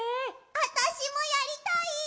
あたしもやりたい！